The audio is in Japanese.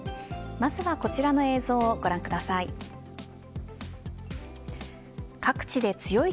まずはこちらの映像をご覧ください。